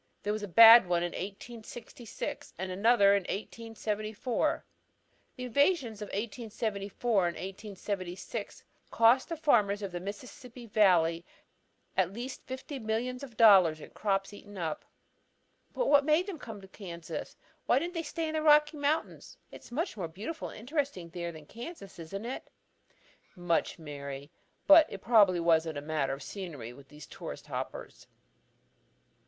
There was a bad one in 1866 and another in 1874. The invasions of 1874 and 1876 cost the farmers of the Mississippi Valley at least fifty millions of dollars in crops eaten up." "But what made them come to Kansas? Why didn't they stay in the Rocky Mountains? It's much more beautiful and interesting there than in Kansas, isn't it?" "Much, Mary. But it probably wasn't a matter of scenery with these tourist hoppers.